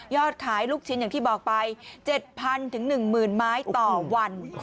ขายลูกชิ้นอย่างที่บอกไป๗๐๐๑๐๐๐ไม้ต่อวัน